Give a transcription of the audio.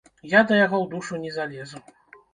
Я да яго ў душу не залезу.